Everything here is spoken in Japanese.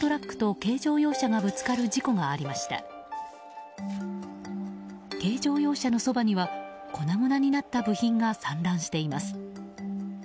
軽乗用車のそばには粉々になった部品が散乱しています。